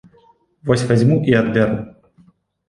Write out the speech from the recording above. Вось вазьму і адбяру.